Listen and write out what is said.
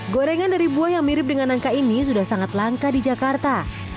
gorengan dari buah yang mirip dengan angka ini sudah sangat langka di jakarta